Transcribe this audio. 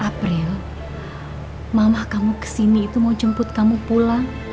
april mamah kamu kesini itu mau jemput kamu pulang